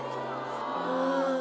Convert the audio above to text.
うん。